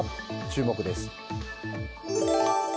注目です。